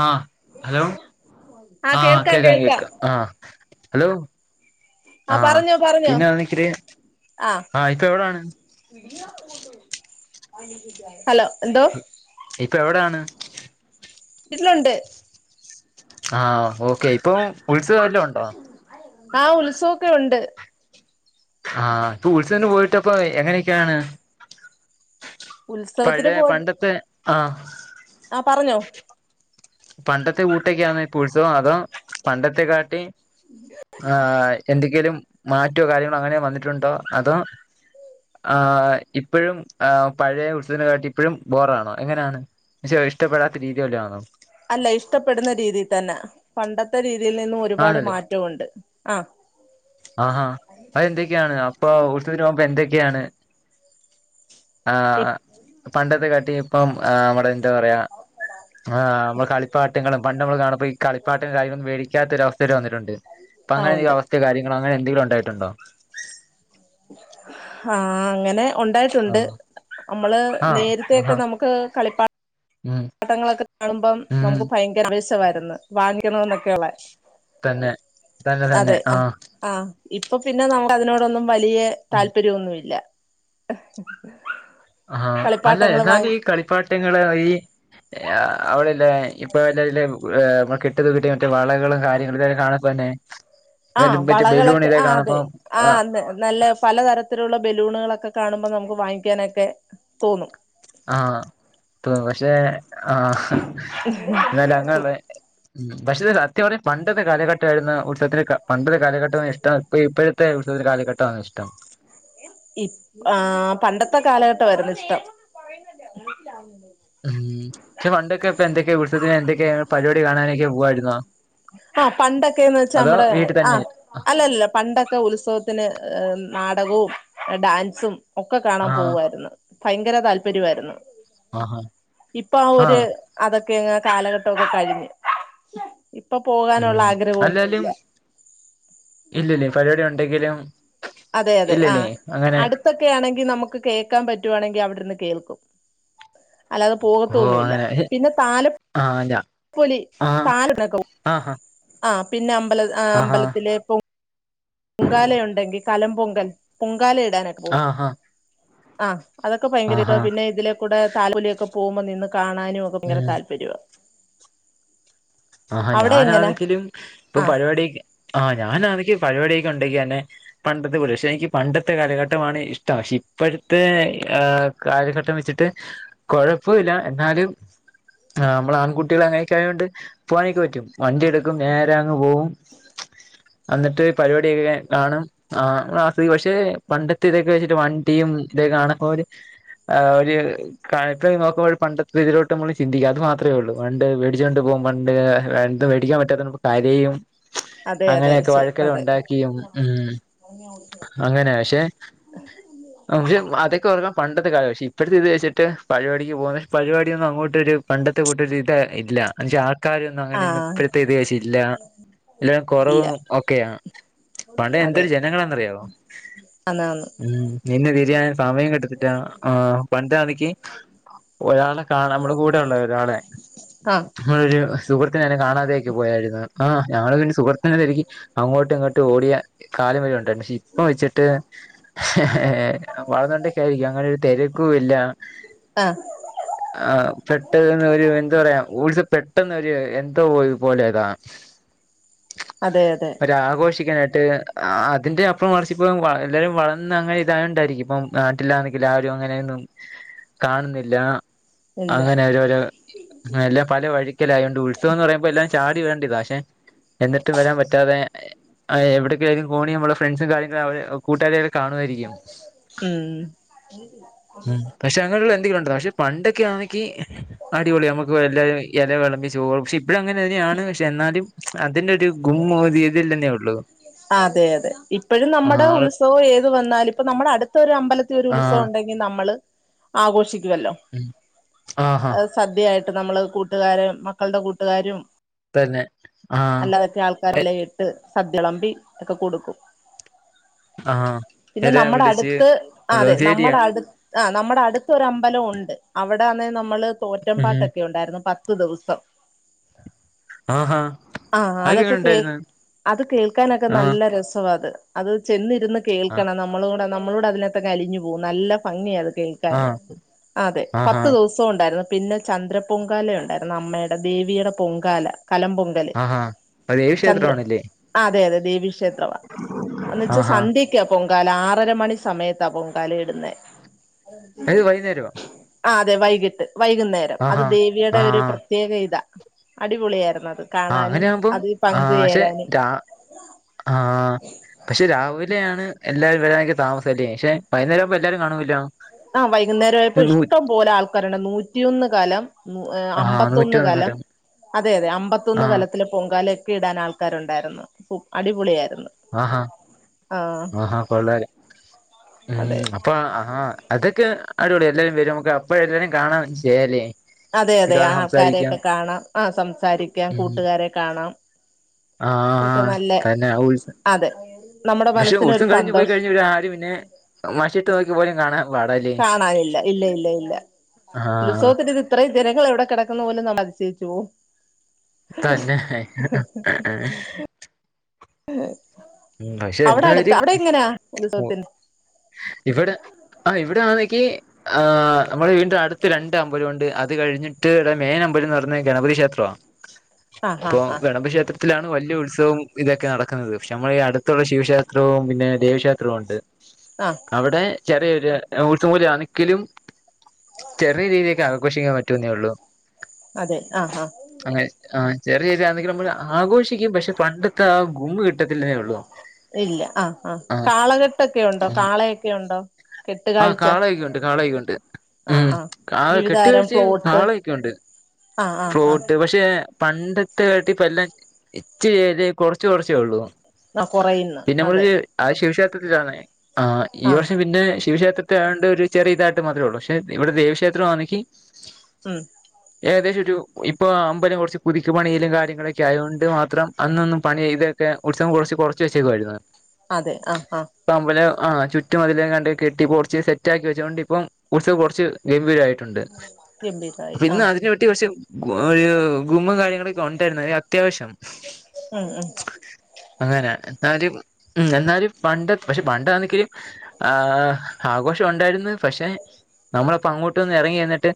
ആഹ് hello ആ ആഹ് കേൾക്കാം കേക്കാം കേൾക്കാം കേക്ക ആഹ് ഹലോ ആ ആഹ് പറഞ്ഞോ പറഞ്ഞോ പിന്നാണെങ്കിലെ ആ ആഹ് ഇപ്പൊ എവിടാണ്? ഹലോ എന്തോ ഇപ്പൊ എവിടാണ്? വീട്ടിലുണ്ട് ആഹ് ഓക്കെ ഇപ്പം ഉത്സവം വല്ലോം ഒണ്ടോ? ആഹ് ഉത്സവൊക്കെ ഉണ്ട് ആഹ് പ്പോ ഉത്സവന് പോയിട്ടപ്പൊ എങ്ങനെയൊക്കെയാണ് ഉത്സവത്തിന് പഴേ പണ്ടത്തെ ആഹ് ആഹ് പറഞ്ഞോ പണ്ടത്തെ കൂട്ടൊക്കെയാന്ന ഇപ്പോ ഉത്സവം അതോ പണ്ടത്തെ കാട്ടീം ആഹ് എന്തെങ്കിലും മാറ്റോ കാര്യങ്ങളോ അങ്ങനെ വന്നിട്ടുണ്ടോ അതോ ആഹ് ഇപ്പഴും ആഹ് പഴയ ഉൽസവത്തിനെ കാട്ടീം ഇപ്പഴും ബോറാണോ എങ്ങനാണ്? ശോ ഇഷ്ടപ്പെടാത്ത രീതിവല്ലോ ആണോ? അല്ല ഇഷ്ടപ്പെടുന്ന രീതി തന്ന പണ്ടത്തെ രീതിയിൽ നിന്നും ഒരുപാട് ആന്നല്ലേ മാറ്റവൊണ്ട് ആഹ് ആഹാ അതെന്തൊക്കെയാണ് അപ്പൊ ഉത്സവത്തിന് പോവുമ്പ എന്തൊക്കെണ് ആഹ് പണ്ടത്തെ കാട്ടീം ഇപ്പം ആഹ് നമ്മടെ എന്താ പറയാ ആഹ് അമ്മള് കളിപ്പാട്ടങ്ങളും പണ്ട് നമ്മള് കാണുമ്പ ഈ കളിപ്പാട്ടം കാര്യോന്നും വേടിക്കാത്തൊരവസ്ഥയിൽ വന്നിട്ടുണ്ട് ആ ഉണ്ട് ഇപ്പങ്ങനെന്തെങ്കിലും അവസ്ഥേ കാര്യങ്ങളോ അങ്ങനെ എന്തെങ്കിലും ഒണ്ടായിട്ടുണ്ടോ? ആഹ് അങ്ങനെ ഒണ്ടായി ആ ട്ടുണ്ട് അമ്മള് ആ നേരത്തേക്കെ ആഹാ നമുക്ക് കളിപ്പ ഉം ട്ടങ്ങളൊക്ക കാണുമ്പം ഉം നമുക്ക് ഭയങ്കര ആവേശവായിരുന്ന് വാങ്ങിക്കണോന്നൊക്കെയൊള്ളെ തന്നെ തന്നെ തന്നെ ആഹ് ആഹ് ഇപ്പ പിന്നെ നമു അതിനോടൊന്നും വലിയെ ഉം താല്പര്യൊന്നുയില്ല ആഹ് അല്ല കളിപ്പാട്ടങ്ങൾ എന്നാലും വാങ്ങി ഈ കളിപ്പാട്ടങ്ങള് ഈ യ അവളില്ലേ ഇപ്പൊ ഇല്ലല്ലേ കെട്ടത് കിട്ടിയ മറ്റേ വളകളും കാര്യങ്ങളും ഇത്കെകാണ്മ്പന്നേ [inaudible] ആഹ് വളകളൊക്കെ ആഹ് അതെ ആ ആഹ് അതേ നല്ല പലതര ത്തിലുള്ള ബലൂണുകളൊക്കെ കാണുമ്പോ നമുക്ക് വാങ്ങിക്കാനൊക്കെ തോന്നും ആഹ് പ് പഷെ ആഹ് ന്നാലങ്ങള്ളെ ഉം പക്ഷേ സത്യപർഞ്ഞാ പണ്ടത്തെ കാലഘട്ടായിരുന്നു ഉത്സവത്തിന് കപണ്ടതെ കാലഘട്ടമാ ഇഷ്ടം പ്പയിപ്പഴത്തെ ഉൽസവത്തിനെ കാലഘട്ട ആന്നോ ഇഷ്ടം ഇപ് ആഹ് പണ്ടത്തെ കാലഘട്ടവാരുന്നു ഇഷ്ടം പറയുന്നില്ലേ മനസിലാവുന്നുണ്ടന്ന് ഊം ക്ഷെ പണ്ടൊക്കെ ഇപ്പൊ എന്തൊക്കെയാ ഉൽസത്തിന് എന്തൊക്കെയാ പര്വാടി കാണാനൊക്കെ പോവായിരുന്നോ ആഹ് പണ്ടൊക്കെന്ന് വെച്ചാ അതോ മ്മടെ വീട്ടിൽ തന്നെ ആഹ് അല്ല ല്ല പണ്ടൊക്കെ ഉത്സവത്തിന് നാടകോം ഡാൻസും ഒക്കെ കാണാൻ ആഹ് പോവാരുന്ന് ഭയങ്കര താല്പര്യവാരുന്നു ആഹ് ഇപ്പ ആ ഒര് ആഹ് അതൊക്കെ അങ് കാലഘട്ടൊക്കെ കഴിഞ്ഞ് ഇപ്പൊ ഉം പോകാനുള്ള അല്ലേലും ആഗ്രഹമൊന്നുമില്ല ഇല്ലില്ലേ ഫരിപാടി ഒണ്ടെങ്കിലും അതെ അതെ ആഹ് അടു ത്തൊക്കെയാണെങ്കി നമുക്ക് കേക്കാമ്പറ്റുവാണെങ്കി അവിടിര്ന്ന് കേൾക്കും അല്ലാതെ പോകത്തുഒന്നുഇല്ല പിന്നെ താലം ആഹ്ഞാ പ്പൊലി താലത്തിനൊക്കെപോം ആഹ് ആഹ് ആഹ് പിന്നെ അമ്പല് ആഹ് അമ്പലത്തിലെ പൊങ്കാലയൊണ്ടെങ്കി കലം പൊങ്കൽ പൊങ്കാലയെ ഇടാനായിട്ട് പോം ആഹാ ആഹ് അതൊക്കെ ഭയങ്കരിട്ടാ ആഹാ പിന്നെ ഇതിലേ ക്കൂടെ താലപ്പൊല്യൊക്കെ പോവുമ്പോ നിന്ന് കാണാനൊക്കെ ഭങ്കര ഉം താല്പര്യാ ആഹ് അവിടെ എങ്ങനാ ഞാനാണെങ്കിലും ഇപ്പൊ ആഹ് പരിപാടി ആഹ് ഞാനാന്നെങ്കി പരിപാടിയൊക്കെ ഒണ്ടെങ്കിഅന്നെ പണ്ടത്തെ പോലെ പക്ഷെ എനിക്ക് പണ്ടത്തെ കാലഘട്ടമാണ് ഇഷ്ടം ഷേഇപ്പഴ്ത്തെ ആഹ് കാലഘട്ടം വെച്ചിട്ട് കൊഴപ്പവില്ല എന്നാലും ആഹ് അമ്മള് ആൺകുട്ടീള് അങ്ങനൊക്ക ആയോണ്ട് പോവാനിക്ക് പറ്റും വണ്ടി എടുക്കും നേരെ അങ്ങ് പോവും അന്നിട്ട് പരിപാടിയൊക്കെ കാണും ആഹ് മാസ്സ് പക്ഷെ പണ്ടത്തെ ഇതൊക്കെ വെച്ചിട്ട് വണ്ടിയും ഇതൊക്കെ കാണുമ്പോര് ആഹ് ഒര് കാഴ്ത്ത് നോക്കുമ്പോഴ് പണ്ടത്തെ ഇതിലോട്ട് മ്മള് ചിന്തിക്കാ അത് മാത്രേ ഒള്ളൂ പണ്ട് വേടിച്ചുകണ്ട് പോം പണ്ട് പണ്ട് മടിക്കാൻപറ്റാത്തേ നിന്ന് കരയും അതെ അതെ അങ്ങനെയൊക്കെ ശരി വഴക്കൊക്കെ അതെ ഒണ്ടാക്കിയും ഉം അങ്ങനാ പഷേ ആഹ് പഷെ അതൊക്കെഓർക്കും പണ്ടത്തെ കാലാ പക്ഷെ ഇപ്പഴത്തെ ഇത് വെച്ചിട്ട് പരിപാടിക്ക് പോവാന്നെ പരിപാടിയൊന്നും അങ്ങോട്ടൊരു പണ്ടത്തെ കൂട്ടൊരിത് ഇല്ല അൻചാ കാര്യൊന്നും അങ്ങനെയൊന്നും ആഹ് ഇപ്പഴത്തേഇത്കഴിച്ചില്ലാ എല്ലാം ഇല്ല കൊറവും ഒക്കെയാണ് പണ്ട് എന്തൊരു ജനങ്ങളാന്നറിയാവോ അന്ന്ആന്നു ഉം നിന്ന് തിരിയാൻ സമയം കിട്ടത്തില്ലാ ആഹ് പണ്ടാന്നെക്കീ ഒരാളെ കാണാമ്മളെ കൂടെ ഒള്ള ഒരാളെ ആഹ് മ്മൾരു സുഹൃത്തിനയാണെ കാണാതെക്കെ പോയാരുന്നു ആഹ് ഞങ്ങളത്കഴ്ഞ്ഞ് സുഹൃത്തിനെ തിരക്കി അങ്ങോട്ടും ഇങ്ങോട്ടു ഓടിയ കാലം വരെ ഒണ്ടാരുന്നു ഷേ പ്പൊ പ്പൊവെച്ചിട്ട് ഏഹ് വളർന്നോണ്ടൊക്കെയായിരിക്കാം അങ്ങനൊരു തെരക്കുവില്ല ആഹ് ആഹ് പെട്ടന്ന് ഒരു എന്താറയാ ഊർജ പെട്ട പെട്ടെന്നൊരി എന്താ പോയി പോലെതാ അതെ അതെ ഒരാഘോഷിക്കാനായിട്ട് അതിന്റെ അപ്പും മറിച്ചിപ്പോ എല്ലാരും വളർന്ന് അങ്ങനെ ഇതായൊണ്ടാരിക്കും ഇപ്പം നാട്ടില്ലാന്നങ്കില് ആരും അങ്ങനേന്നും കാണുന്നില്ല ഇല്ല അങ്ങനെ ഒരോരൊ എല്ല പലവഴി ക്കലായോണ്ട് ഉത്സവൊന്ന് പറയുമ്പോ എല്ലാം ചാടിവരടണ്ടിതാ പക്ഷെ എന്നിട്ടും വരാൻ പറ്റാതെ ആഹ് എവിടെക്കെയായാലും ഫോണി നമ്മ ഫ്രണ്ട്സും കാര്യങ്ങളും അവരെ കൂട്ടുകാരൊക്കെ കാണുവാരിക്കും ഉം ഉം പക്ഷെ അങ്ങനെയുള്ള എന്തെങ്കിലുണ്ടോ പക്ഷെ പണ്ടൊക്കെ ആണെങ്കി അടിപൊളി നമക്ക് എല്ലാരും എല വെളമ്പി ചോറും പക്ഷെ ഇപ്പഴും അങ്ങനെയാണ് പക്ഷെ എന്നാലും അതിന്റെ ഒരു ഗുമ്മു ഒര്തി ഇതില്ലെന്നേ ഒള്ളൂ അതെ അതെ ഇപ്പഴും നമ്മടെ ഉത്സവൊ ഏത് വന്നാലുപ്പ നമ്മടെ അടുത്തൊരു അമ്പലത്തി ഒരു ഉത്സവം ആഹ് ഒണ്ടെങ്കി നമ്മള് ആഘോഷിക്കുവല്ലൊ ഉം ആഹ സദ്യയായിട്ട് നമ്മള് കൂട്ടുകാര് മക്കൾടെ കൂട്ടുകാരും തന്നെ ആഹ് അല്ലാതക്ക ആൾക്ക എ കറിലയിട്ട് സദ്യവെളമ്പി എക്കെ കൊടുക്കും ആഹ് പിന്നെ എന്നെ നമ്മടെ വിളിച്ച് അടുത്ത് അതെ ശരിയാ നമ്മടെ അട് ആഹ് നമ്മടെ അടുത്തൊര അമ്പലവൊണ്ട് അവിടാണെ നമ്മള് തോറ്റം ഉം പാട്ടൊക്കെ ഒണ്ട് ണ്ടാരുന്നു പത്ത് ദിവസം ആഹാ ആഹ് അതൊക്കെ എങ്ങനെ കേ ഉണ്ടായിരുന്നു അത് കേൾക്ക് നൊക്കെ ആഹ് നല്ല രസവാത് അത് ചെന്നിരുന്ന് ആഹ് കേൾക്കണം നമ്മളുംകൂടെ നമ്മളൂടെ അതിനാത്തങ്ങ് അലിഞ്ഞുപോം നല്ല ഭംഗിയാത് കേൾക്കാന് ആഹ് അതെ ആഹാ പത്ത്ദിവസ സോണ്ടാരുന്നു പിന്നെ ചന്ദ്ര പൊങ്കാല ഒണ്ടാരുന്നു അമ്മേടെ ദേവിടെ പൊങ്കാല കലം പൊങ്ക ആഹ് ആഹ് അത് ദേവിക്ഷേത്രവാണല്ലെ അതെ അതെ ദേവിക്ഷേത്രവ അന്നെച്ചാ ആഹാ സദ്യ ക്ക്യ പൊങ്കാല ആറര മണി സമയത്ത പൊങ്കാല ഇടുന്നേ അത് വൈകുന്നേരമോ ആഹ് അതെ വൈകീട്ട് വൈകുന്നേരം അത് ആഹാ ദേവിയുടെ ഒരു ആഹ് പ്രത്യേക ഇതാ അടിപൊളിയാരുന്നത് ആഹ് അങ്ങനെയാവുമ്പൊ ആഹ് ഷെ രാ ആഹ് പക്ഷെ രാവിലെയാണ് എല്ലാരും വരാക്കെ താമസ അല്ലെ പക്ഷെ വൈന്നേരപ്പ എല്ലാരും കാണൂല്ലോ ആഹ് വൈകുന്നേരായപ്പൊ നൂ ഇഷ്ടം പോലെ ആൾക്കാരുണ്ട് നൂറ്റിയൊന്ന് കലം ഏ ആഹ് നൂറ്റി അമ്പത്തൊന്ന് കലം ആഹ് അതെ അതെ അമ്പത്തൊന്ന് കലത്തില് പൊങ്കാലൊക്കെ ഇടാൻ ആൾക്കാരുണ്ടാരുന്നു അടിപൊളിയാരുന്നു ആഹാ ആഹാ കൊള്ള അതെ അപ്പൊ ആഹ് അതൊക്കെ അടിപൊളി എല്ലാരും വരുംമക്ക് അപ്പഴ എല്ലാരും കാണാൻ ചെയ്യാലേ അതെ അതെ കാണാൻ സംസാരിക്കാം ആൾക്കാരെയൊക്കെ കാണാം ആഹ് സംസാരിക്കാം കൂട്ടുകാരെ കാണാം ഒക്കെ ആഹ് നല്ല കല ഉത്സ അതെ നമ്മുടെ പക്ഷെ മനസ്സിനൊരു ഉത്സവം കഴിഞ്ഞ്പോയി സന്തോഷം കഴിഞ്ഞ ഇവരാരെ പിന്നെ മഷീട്ട് നോക്കിയ പോലും കാണാൽ പാടാല്ലെ കാണാനില്ല ഇല്ല ആഹ് ഇത്രേം ജനങ്ങൾ എവിടെ കെടക്കുന്നു പോലും നമ്മള്അതിശയിച്ച്പോം തന്നെ ഉം പക്ഷെ അവിടെ അടുത്ത് എന്തായാലും അവിടെ എങ്ങനെയാ ഉത്സവത്തിന് ഇവിടെ ആഹ് ഇവിടെ ആന്നെക്കി ആഹ് നമ്മള വീടിന്റെ അടുത്ത് രണ്ട് അമ്പലൊവൊണ്ട് അത് കഴിഞ്ഞ് ട്ട് മെയിൻ അമ്പലെന്ന്റയുന്ന ഗണപതി ക്ഷേത്രവ ആ ആ ഇപ്പൊ ആ ഗണപതിക്ഷേത്ര ത്തിലാണ് വലിയ ഉത്സവോം ഇതൊക്കെ നടക്കുന്നത് പക്ഷെ നമ്മളി അടുത്തൊള്ള ശിവക്ഷേത്രവും പിന്നെ ദേവിക്ഷേത്രോം ഒണ്ട് ആഹ് അവിടെ ചെറിയൊരു ഉത്സവൂജ ആണെക്കിലും ചെറിയ രീതിേക്ക്ആഘോഷിക്കാൻ പറ്റൂെന്നേ ഉള്ളൂ അതെ ആ ആ അതെ ആ ചെറിയ രിതാണെങ്കിലും നമ്മൾ ആഘോഷിക്കും പക്ഷെ പണ്ടത്തെ ആ ഗുമ് കിട്ട ഇല്ല ആഹ ആ കാളകെട്ടൊക്കെ ഉണ്ടോ കാളയൊക്കെ ഉണ്ടോ ആ കെട്ടുകാഴ്ച കാളായിക്കോണ്ട് കാളായിക്കണ്ട് ആഹ് ആഹ് ഉംആ വിവിധതരം കെട്ടുകീഴിച്ച ഫ്ലോട്ട് കാളയൊ ക്കെയുണ്ട് ആഹ് ആഹ് ആഹ് ഫ്രൂട്ട് പക്ഷേ പണ്ടത്തെ കട്ടി ഇപ്പ എല്ലാം ഇച്ചല് കൊറച്ച്കൊറച്ചേ ഉള്ളൂ ആഹ് കൊറയുന്ന് പിന്നെ അതെ നമ്മളൊരു ആ ശിക്ഷേത്രത്തിലാണ് ആ ഈ ആഹ് വർഷം പിന്നെ ശിവക്ഷേത്രത്തെ ആകൊണ്ട് ഒരു ചെറിയ ഇതായിട്ട് മാത്രേ ഉള്ളൂ പക്ഷെ ഇവിടെ ദേവീക്ഷേത്രംമാണെങ്കിൽ ഉം ഏകദേശം ഒരു ഇപ്പൊ അമ്പലം കുറച്ച് പുതുക്കി പണിയിലും കാര്യങ്ങളൊക്കെ ആയത് കൊണ്ട് മാത്രം അന്നൊന്നും പണി ഇത് ഒക്കെ ഉത്സവം കുറച്ച് കുറച്ച് വെച്ചേക്കായിരുന്നു അതെ ആ ആ അമ്പലം ആ ചുറ്റും അതില കണ്ട കെട്ടി പൊളിച്ച് സെറ്റ് ആക്കി വെച്ചതുകൊണ്ട് ഇപ്പം ഉത്സവം കുറച്ച് ഗംഭീരയിട്ടുണ്ട് ഗംഭീരായി അപ്പ ഇന്ന് ആഹ് അതിനെ പറ്റി കുറ ഗുമ്മം കാര്യങ്ങളൊക്ക ഉണ്ടായിരുന്നു അത്യാവശ്യം ഉം ഉം അങ്ങനെയ എന്നാലും എന്നാലും പണ്ട് പക്ഷെ പണ്ടാണെങ്കും ആ ആഘോഷം ഉണ്ടായിരുന്ന് പക്ഷെ നമ്മളി പ്പൊ അങ്ങോട്ട്ന്ന് ഇറങ്ങി വന്നിട്ട്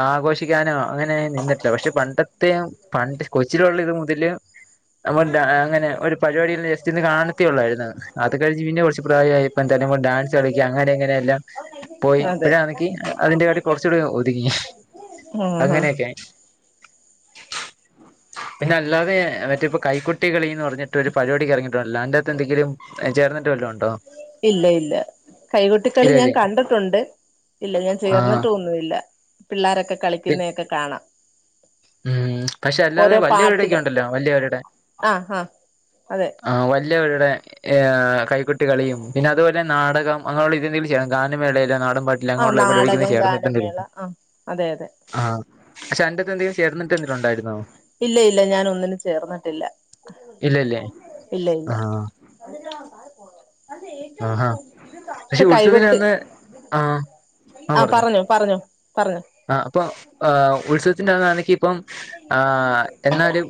ആഘോഷിക്കാന അങ്ങനെ നിന്നിട്ടില്ല പക്ഷെ പണ്ടത്തെ പണ്ട് കൊച്ചിലുള്ള ഇത് മുതല് നമ്മ അങ്ങനെ ഒരു പരിപാടി ജെസ്റ്റിന്ന് കാണത്തിയള്ളായിരുന്നു അത് കഴിഞ്ഞു പിന്നെ കുറച്ചു പ്രായായി പ ന്തായാലും ഡാൻസ് കളി അങ്ങനെ ഇങ്ങനെ എല്ലാം പോയി അതെ ഇപ്പഴാ ണ ങ്കി അതിന്റെ കാട്ടി കുറച്ചുകൂടി ഒതുങ്ങി ആഹ് ആഹ് അങ്ങനെയൊക്കെ പിന്നെ അല്ലാതെ മറ്റേ കൈക്കുട്ടിക കളിന്ന് പറഞ്ഞിട്ട് ഒരു പരിപാടിക്ക് ഇറങ്ങി ത അല്ലാൻണ്ടെകത്തെ എന്തെങ്കിലും ചേർന്നിട്ട് വല്ലോ ഉണ്ടോ ഇല്ല ഇല്ല കൈകൊട്ടിക്കളി ഞാൻ ഇല്ലല്ലേ കണ്ടിട്ടുണ്ട് ഇല്ല ഞാൻ ആഹ് ചേർന്നിട്ടും ഒന്നുമില്ല പിള്ളോരൊക്കെ കളിക്കുന്നതൊക്കെ കാണാം ഉം പക്ഷെ അല്ലാതെ ഓരോ വലിയ വരുടൊ ക്കെ പാട്ടിന് ഉണ്ടല്ലോ വല്ല്യവരുടെ ആഹ് ആഹ് അതെ ആഹ് വല്ല്യവരുടെ ഏഹ് കൈകൊട്ടി കളിയും പിന്നെ അതുപോലെ നാടകം അങ്ങനുള്ളതെങ്കിലും ചെയ്യണം ഗാനമേളയെല്ലോ നാടൻ പാട്ട് ഇല്ല ആഹ് അങ്ങോട്ടള്ള എവിടെ എവിടും നാടകം ഗാനമേള ചേർന്ന്ട്ടേണ്ടിണ്ട് ആഹ് അതെ അതെ ആഹ് അന്റെത്തെ എന്തെങ്കിലും ചേർന്നിട്ട് എന്തേലും ഉണ്ടായിരുന്നോ ഇല്ല ഇല്ല ഞാൻ ഒന്നിനും ചേർന്നിട്ടില്ല ഇല്ലല്ലേ ഇല്ല ഇല്ല ആഹ് ആഹാ [inaudible] പക്ഷെ ഉത്സവത്തിന് കൈകൊട്ട് അന്ന് ആഹ് ആഹ് പറഞ്ഞോ പറഞ്ഞോ പറഞ്ഞോ ആഹ് അപ്പൊ ഉത്സവത്തിന്റൊണെങ്കി ഇപ്പം ആഹ് എന്നാലും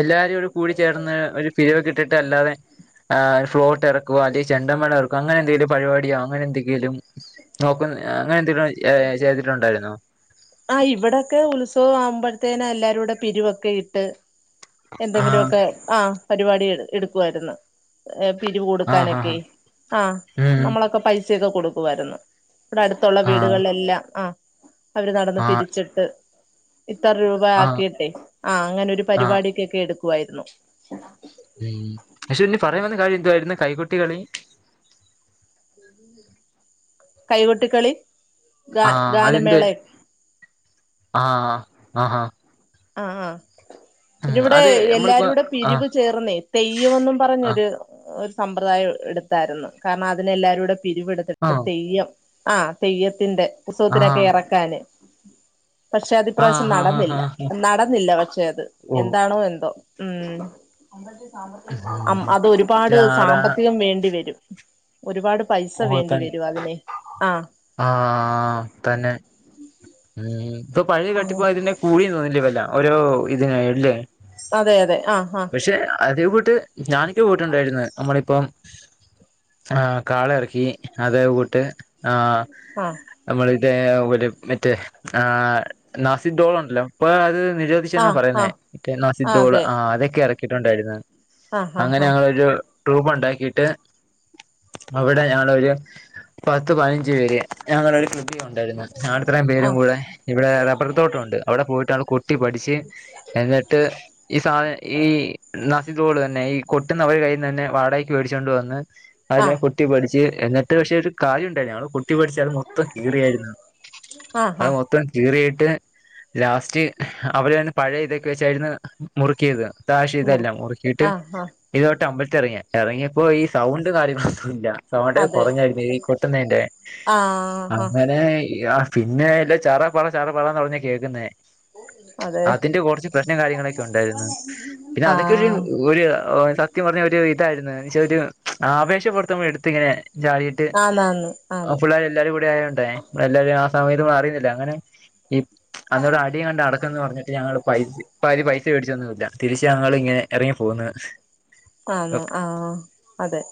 എല്ലാവാരും ഇടെ കൂടി ചേർന്ന് ഒരു പിരിവ് ഇട്ടിട്ട് അല്ലാതെ ആ ഫ്ലോർട്ട് ഇറ അല്ലെ ചെണ്ടമലഇറക്കും അങ്ങനെന്തങ്കലും പരിപാടിയോ അങ്ങ നെ എന്തെങ്കിലും നോക്കുന്ന അങ്ങനെ എന്തെങ്കിലും ചെയ്തിട്ടുണ്ടായിരുന്നോ ആഹ് ഇവിടെക്കെ ഉത്സവം ആവുമ്പോഴത്തേന എല്ലാരും കൂടെ പിരിവൊക്കെ ഇട്ട് ആഹ് എന്തെങ്കിലുമൊക്കെ ആഹ് പരിപാടി എടുക്കുവായിരുന്നു പിരിവ് കൊടുക്കാനൊക്കെ ആഹ് ആഹ് ഉം നമ്മളൊക്കെ പൈസ ചെയ്ത കൊടുക്കുവായിരുന്നു ഇവിടെ അടുത്തുള്ള ആഹ് വീടുകളിലെല്ലാം ആഹ് അവര് നടന്ന് ആഹ് പിരിച്ചിട്ട് ഇത്ര രൂപ പാ ആഹ് ആക്കിട്ടെ ആഹ് അങ്ങനെ ഒരു ആഹ് പരിപാടിക്കൊക്കെ എടുക്കുവായിരുന്നു ഉം പ ക്ഷെ ക്ഷ് ഇനി പറയാൻ വന്ന കാര്യം എന്തുവായിരുന്ന കൈകുട്ടികളി [inaudible] കൈകൊട്ടി കളി ആഹ് അതിന്ത് ആഹ് ആഹ് ആഹ് ആഹ് പിന്നെ ഇവിടെ അത് നമ്മളിപ്പോ എല്ലാരും കൂടെ പിരിവ് ആഹ് ചേർ പറന്നേ തെയ്യം എന്നും ആഹ് പറഞ്ഞൊരു ഒരു സമ്പ്രദായം എടുത്തായിരുന്നു കാരണം അതിനെല്ലാവാരും കൂടെ പിരിവെടു ആഹ് തെയ്യം ആഹ് തെയ്യത്തിന്റെ ഉത്സവത്തിനൊക്കെ ആഹ് ഇറക്കാന് പക്ഷെ അതിപ്രാവശ്യം ആഹ് ആഹ് നടന്നില്ല ആഹ് നടന്നില്ല പക്ഷേ അത് ഓഹ് എന്താണോ എന്തോ ഉം അത് ഒരുപാട് ആടാ സാമ്പത്തികം വേണ്ടി വരും ഒരുപാട് പൈസ ഓഹ് വേണ്ടി തന്നെ വരും അതിനെ ആഹ് ആഹ് തന്നെ ഉം ഇപ്പൊ പഴയ കെട്ടിപ്പോ അതിന കൂടിയ തോന്നില്ല വല്ല ഓരോ ഇതിനാ ഇല്ലേ അതെ അതെ ആഹ് ആഹ് പക്ഷെ അതേ കൂട്ട് ഞാനൊക്കെ പോയിട്ടുണ്ടായിരുന്നു നമ്മളിപ്പം ആഹ് കാള ഇറക്കി അതെ കൂട്ട് ആഹ് ആഹ് നമ്മള ഇത് ഒരു മറ്റേ നാസി ഡോള് ഉണ്ടല്ലോ അപ്പൊ അത് നിരോ [unintelligible] ആഹ് ആഹ് പറയുന്നേ ആഹ് നാസിതോള് ആഹ് അതൊക്കെ ഇറക്കിയിട്ടുണ്ടായിരുന്നു ആഹ് ആഹ് അങ്ങനെ ആഹ് ഞങ്ങൊരു ട്രൂപ്പ് ഉണ്ടാക്കിട്ട് അവിടെ ഞങ്ങളൊരു പത്ത് പതിനഞ്ച് പേര് ഞങ്ങളൊരു ണ്ടായിരുന്നു [unintelligible] ഇത്രയും പേരും ആഹ് കൂടെ ഇവിടെ റബ്ബർതോട്ടമുണ്ട്. അവിടെ പോയിട്ടാണ് കൊടു കട്ടി പഠിച്ച് എന്നിട്ട് ഈ സാധന ഈ നാസീതോള് തന്നെ ഈ കൊട്ടുന്ന അവര് കയ്യിൽ നിന്ന് തന്നെ വാടകയ്ക്ക് മേടിച്ചുകൊണ്ട വന്ന് അതിലെ കൊ ആഹ് കൊട്ടി പഠിച്ച് എന്നിട്ട് പക്ഷേ ഒരു കാര്യമുണ്ടായിരുന്നു ഞങ്ങള് കൊട്ടി കൊട്ടിപ്പഠിച്ച് അത് മൊത്തം കീറിയായിരുന്നു ആഹ് അത് ആഹ് മൊത്തം കീറിയിട്ട് ലാസ്റ്റ് അവരെ തന്നെ പഴ ഇതൊക്കെ വെച്ചായിരുന്നു മുറുക്കിയത് മുറി ആവശ്യമിതല്ല മുറുക്കിട്ട് ആഹ് ആഹ് ഇത് കൊട് [unintelligible] അമ്പലത്തിലിറങ്ങി ഇറങ്ങിയപ്പോ ഈ സൗണ്ടും കാര്യങ്ങളൊന്നുമില്ല സൗണ്ട് അതെ കുറഞ്ഞായിരുന്നു ഈ കൊട്ടുന്നതിന്റെ ആഹ് ആഹ് അങ്ങനെ ആഹ് പിന്നെ ഇല്ലേ ചറപറ ചറപറാ എന്നാ കേൾക്കുന്നേ അതെ അതിന്റെ കുറച്ച് പ്രശ്നം കാര്യങ്ങളൊക്കെ ഉണ്ടായിരുന്നു പിന്നെ അതൊക്കെ ഒരു ആഹ് ഒരു സത്യംപറഞ്ഞാ ഒരു ഇതായിരുന്നു എന്ന് വച്ചാ ഒരു ആവേശം പുറത്ത് നമ്മൾ എടുത്ത് ഇങ്ങനെ ചാടിയിട്ട് ട്ട് ആന്നാന്ന് ആന്ന് പിള്ളേര് എല്ലാരും കൂടെ ആയോണ്ടേ എല്ലാരും ആ സമയത്ത് അറിയുന്നില്ല അങ്ങനെ ഈ അന്നരം അടിയങ്ങാണ്ട് നടക്കുന്ന് പറഞ്ഞിട്ട് ഞങ്ങള് പൈ ഇപ്പ അത് പൈസ മേടിച്ചൊന്നുമല്ല തിരിച്ച് ഞങ്ങള് ഇങ്ങനെ ഇറങ്ങി പോന്ന് ആന്നോ ആഹ് അതെ